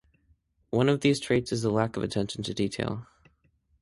One of these traits is a lack of attention to detail.